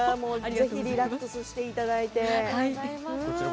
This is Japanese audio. ぜひリラックスしてください。